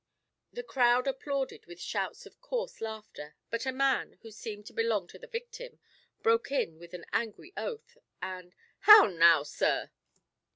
The crowd applauded with shouts of coarse laughter, but a man, who seemed to belong to the victim, broke in with an angry oath, and "How now, sir?"